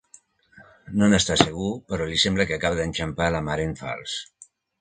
No n'està segur, però li sembla que acaba d'enxampar la mare en fals.